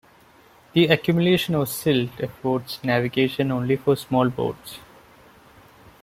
The accumulation of silt affords navigation only for small boats.